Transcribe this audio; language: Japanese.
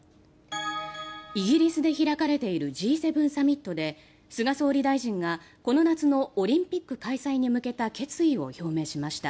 イギリスで開かれているＧ７サミットで菅総理大臣が、この夏のオリンピック開催に向けた決意を表明しました。